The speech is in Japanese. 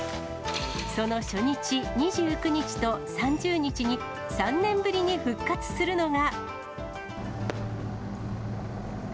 その初日２９日と３０日に、３年ぶりに復活するのが。